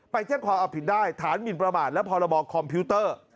ไปแจ้งความเอาผิดได้ฐานหมินประมาทและพรบคอมพิวเตอร์